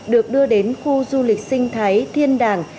được đưa đến khu du lịch sinh thái thiên đàng